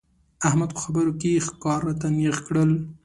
احمد په خبرو کې ښکر راته نېغ کړل.